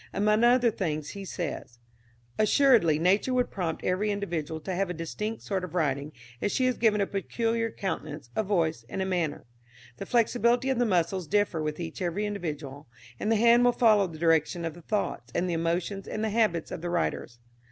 Among other things, he says: "Assuredly nature would prompt every individual to have a distinct sort of writing, as she has given a peculiar countenance, a voice, and a manner. The flexibility of the muscles differs with every individual, and the hand will follow the direction of the thoughts, and the emotions and the habits of the writers.